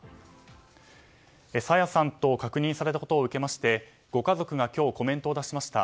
朝芽さんと確認されたことを受けましてご家族が今日コメントを出しました。